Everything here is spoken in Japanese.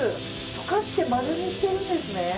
溶かして丸にしてるんですね。